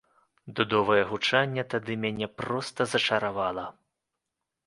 Дудовае гучанне тады мяне проста зачаравала.